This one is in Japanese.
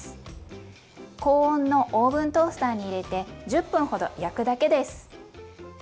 高温のオーブントースターに入れて１０分ほど焼くだけです。